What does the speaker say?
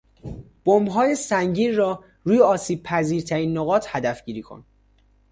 بمبهای سنگین را روی آسیبپذیرترین نقاط هدف گیری کن.